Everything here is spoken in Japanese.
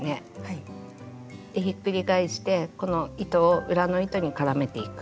でひっくり返してこの糸を裏の糸に絡めていく。